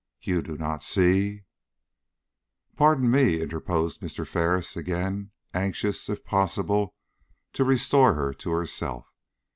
You do not see " "Pardon me," interposed Mr. Ferris again, anxious, if possible, to restore her to herself.